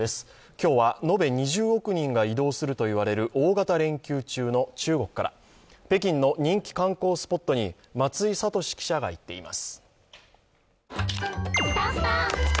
今日は延べ２０億人が移動するという大型連休中の中国から、北京の人気観光スポットに松井智史記者が行っています。